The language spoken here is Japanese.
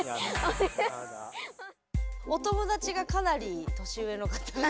お友達がかなり年上の方が多い。